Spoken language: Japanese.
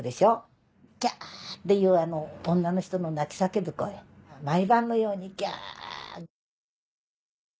「キャ！」っていうあの女の人の泣き叫ぶ声毎晩のように「ギャ！」。